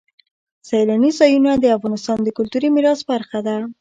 سیلاني ځایونه د افغانستان د کلتوري میراث برخه ده.